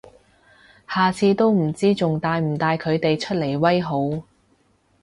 下次都唔知仲帶唔帶佢哋出嚟威好